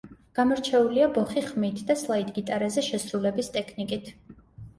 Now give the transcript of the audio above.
გამორჩეულია ბოხი ხმით და სლაიდ გიტარაზე შესრულების ტექნიკით.